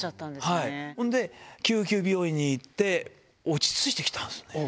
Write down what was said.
ほんで、救急病院に行って、落ち着いてきたんですね。